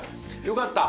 よかった！